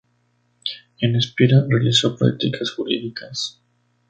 En Espira realizó prácticas jurídicas.